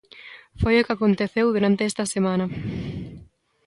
Foi o que aconteceu durante esta semana.